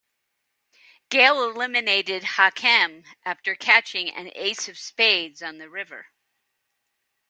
Gale eliminated Hachem after catching an ace of spades on the river.